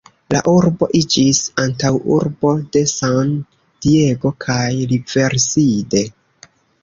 La urbo iĝis antaŭurbo de San-Diego kaj Riverside.